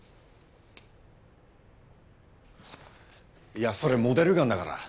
いやそれモデルガンだから。